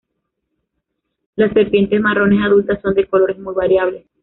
Las serpientes marrones adultas son de colores muy variables.